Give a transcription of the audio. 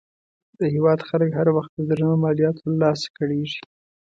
د هېواد خلک هر وخت د درنو مالیاتو له لاسه کړېږي.